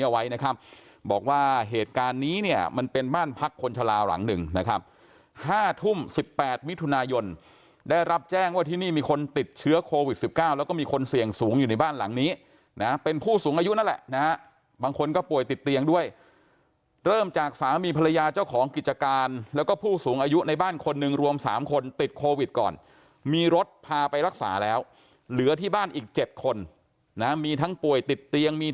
ไว้นะครับบอกว่าเหตุการณ์นี้เนี่ยมันเป็นบ้านพักคนชะลาหลังหนึ่งนะครับ๕ทุ่ม๑๘มิถุนายนได้รับแจ้งว่าที่นี่มีคนติดเชื้อโควิด๑๙แล้วก็มีคนเสี่ยงสูงอยู่ในบ้านหลังนี้นะเป็นผู้สูงอายุนั่นแหละนะบางคนก็ป่วยติดเตียงด้วยเริ่มจากสามีภรรยาเจ้าของกิจการแล้วก็ผู้สูงอายุในบ้านคนหนึ่งรวม